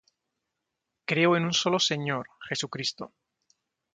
Creo en un solo Señor, Jesucristo,